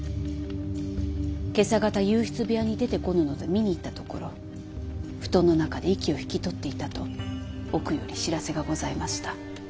今朝方右筆部屋に出てこぬので見に行ったところ布団の中で息を引き取っていたと奥より知らせがございました。